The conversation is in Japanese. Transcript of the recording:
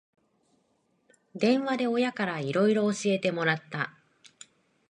電話で親からいろいろ教えてもらった